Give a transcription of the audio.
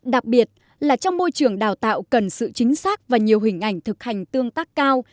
đặc biệt là trong môi trường đào tạo cần sự chính xác và nhiều hình ảnh thực hành tương tác cao